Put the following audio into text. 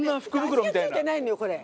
味が付いてないのよこれ。